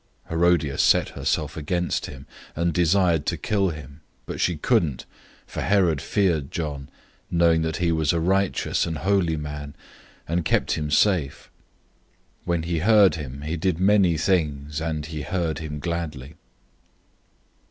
006:019 Herodias set herself against him, and desired to kill him, but she couldn't, 006:020 for Herod feared John, knowing that he was a righteous and holy man, and kept him safe. When he heard him, he did many things, and he heard him gladly.